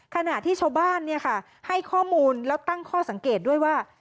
ขณะที่ชาวบ้านให้ข้อมูลแล้วตั้งข้อสังเกตด้วยว่า